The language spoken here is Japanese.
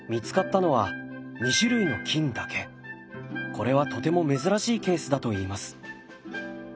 これはとても珍しいケースだといいます。